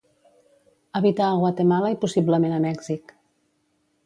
Habita a Guatemala i possiblement a Mèxic.